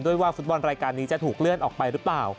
ว่าฟุตบอลรายการนี้จะถูกเลื่อนออกไปหรือเปล่า